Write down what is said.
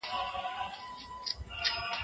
ښوونځي زدهکوونکو ته د باور فضا جوړوي.